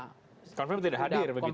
confirm tidak hadir begitu ya